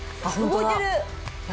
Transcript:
動いてる。